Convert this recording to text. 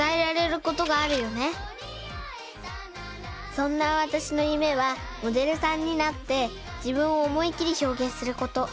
そんなわたしのゆめはモデルさんになって自分を思いっきりひょうげんすること。